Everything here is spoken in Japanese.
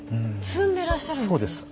積んでらっしゃるんですか。